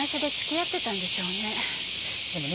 でもね